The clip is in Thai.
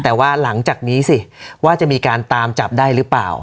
แต่ว่าหลังจากนี้สิว่าจะมีการตามจับได้หรือเปล่า